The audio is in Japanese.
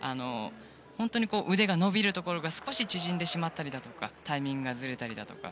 本当に腕が伸びるところが少し縮んでしまったりだとかタイミングがずれたりだとか。